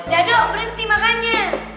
daduk berhenti makannya